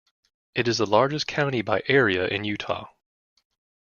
It is the largest county by area in Utah.